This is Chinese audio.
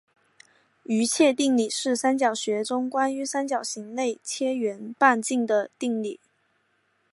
余切定理是三角学中关于三角形内切圆半径的定理。